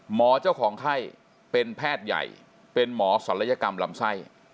เจ้าของไข้เป็นแพทย์ใหญ่เป็นหมอศัลยกรรมลำไส้